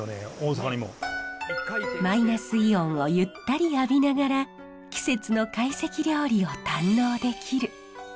マイナスイオンをゆったり浴びながら季節の会席料理を堪能できる。